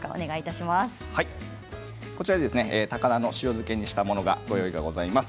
高菜の塩漬けにしたものがご用意がございます。